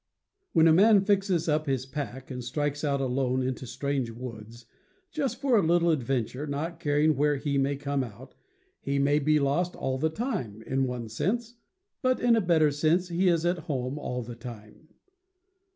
"l^THEN a man fixes up his pack and strikes out ^^ alone into strange woods, just for a little ad venture, not caring where he may come out, he may be lost all the time, in one sense, but in a better sense he is at home all the time.